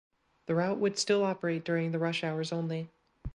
The route would still operate during the rush hours only.